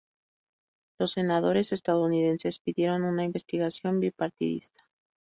Los senadores estadounidenses pidieron una investigación bipartidista.